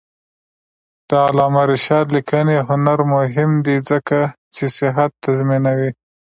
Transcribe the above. د علامه رشاد لیکنی هنر مهم دی ځکه چې صحت تضمینوي.